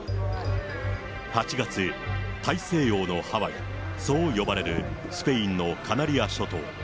８月、大西洋のハワイ、そう呼ばれるスペインのカナリア諸島。